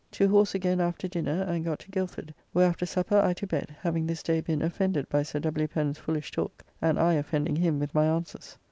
To horse again after dinner, and got to Gilford, where after supper I to bed, having this day been offended by Sir W. Pen's foolish talk, and I offending him with my answers.